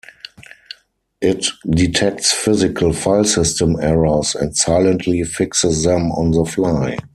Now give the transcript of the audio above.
It detects physical file system errors and silently fixes them on the fly.